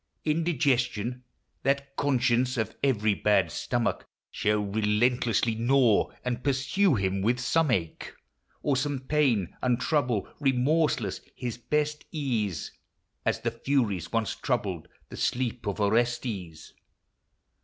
Indigestion, that conscience of every bad stomach, Shall relentlessly gnaw and pursue him with some ache Or some pain ; and trouble, remorseless, his best ease, As the Furies once troubled the sleep of Orestes.